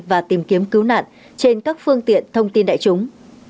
và tìm kiếm cứu nạn trên các phương tiện thông tin đại chúng